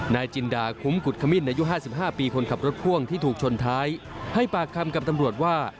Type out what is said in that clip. นายจินดาคุ้มกุฎขมิ้นอายุ๕๕ปีคนขับรถพ่วงที่ถูกชนท้ายให้ปากคำกับตำรวจว่า